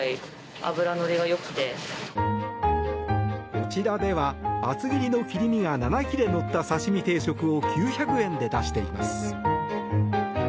こちらでは厚切りの切り身が７切れ乗った刺し身定食を９００円で出しています。